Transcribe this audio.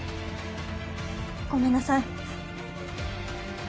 ごめんなさい。